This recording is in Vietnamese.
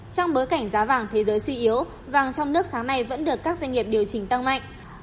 trong bối cảnh giá vàng thế giới suy yếu vàng trong nước sáng nay vẫn được các doanh nghiệp điều chỉnh tăng mạnh